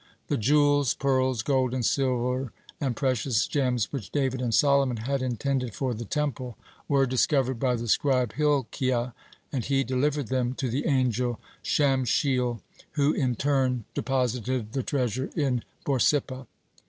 The jewels, pearls, gold, and silver, and precious gems, which David and Solomon had intended for the Temple were discovered by the scribe Hilkiah, and he delivered them to the angel Shamshiel, who in turn deposited the treasure in Borsippa.